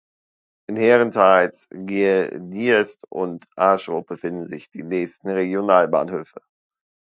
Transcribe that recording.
In Herentals, Geel, Diest und Aarschot befinden sich die nächsten Regionalbahnhöfe.